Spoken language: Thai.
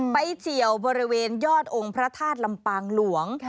เฉียวบริเวณยอดองค์พระธาตุลำปางหลวง